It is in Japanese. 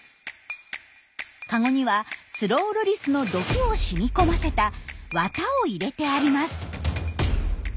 カゴにはスローロリスの毒を染み込ませた綿を入れてあります。